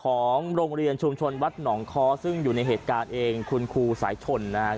ของโรงเรียนชุมชนวัดหนองค้อซึ่งอยู่ในเหตุการณ์เองคุณครูสายชนนะครับ